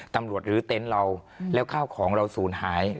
หรือเต็นต์เราแล้วข้าวของเราศูนย์หาย